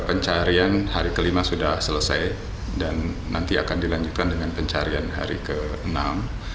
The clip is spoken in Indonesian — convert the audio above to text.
pencarian hari kelima sudah selesai dan nanti akan dilanjutkan dengan pencarian hari ke enam